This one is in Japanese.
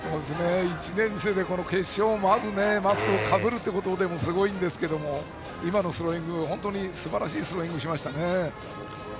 １年生でこの決勝でマスクをかぶること自体がすごいんですけど今のスローイング本当にすばらしいスローイングをしましたね。